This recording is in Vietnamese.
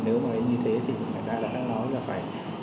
nếu mà như thế thì người ta đã nói là phải